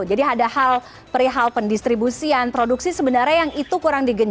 jadi ada hal perihal pendistribusian produksi sebenarnya yang itu kurang dihitung